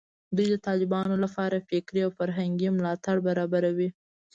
دوی د طالبانو لپاره فکري او فرهنګي ملاتړ برابروي